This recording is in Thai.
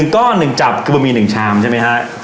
ก้อน๑จับคือมันมี๑ชามใช่ไหมฮะ